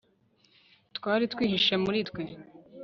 Twari twihishe muri twe